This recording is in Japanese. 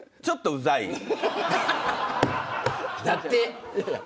だって。